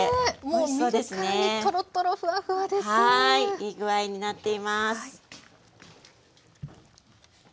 いい具合になっています。